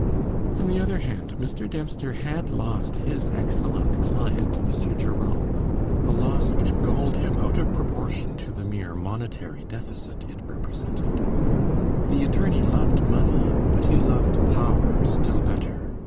On the other hand, Mr. Dempster had lost his excellent client, Mr. Jerome a loss which galled him out of proportion to the mere monetary deficit it represented. The attorney loved money, but he loved power still better.